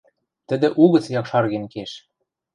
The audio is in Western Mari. Тӹдӹ угӹц якшарген кеш.